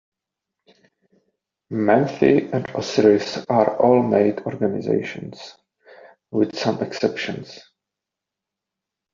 Memphi and Osiris are all-male organizations, with some exceptions.